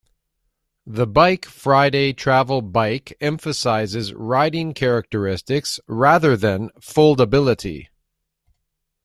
The Bike Friday travel bike emphasizes riding characteristics rather than foldability.